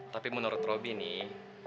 tapi menurut robby nih